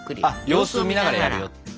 様子を見ながらやるよ。